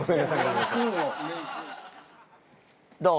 どう？